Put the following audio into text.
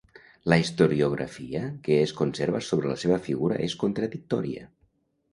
La historiografia que es conserva sobre la seva figura és contradictòria.